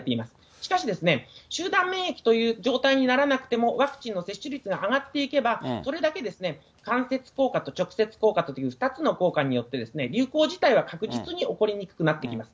しかしですね、集団免疫という状態にならなくても、ワクチンの接種率が上がっていけば、それだけ間接効果と直接効果という２つの効果によって、流行自体は確実に起こりにくくなってきます。